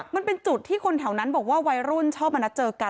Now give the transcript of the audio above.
มันเป็นจุดที่คนแถวนั้นบอกว่าวัยรุ่นชอบมานัดเจอกัน